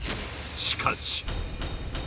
しかし！